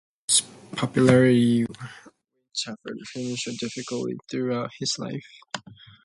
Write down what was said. Despite his popularity, Wain suffered financial difficulty throughout his life.